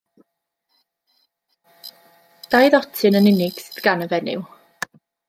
Dau ddotyn yn unig sydd gan y fenyw.